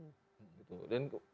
dan itu bukan cara kepolisian